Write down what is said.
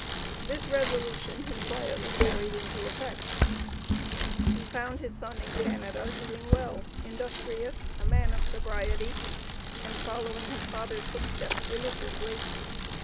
This resolution he quietly carried into effect. He found his son in Canada, doing well; industrious; a man of sobriety, and following his father's footsteps religiously.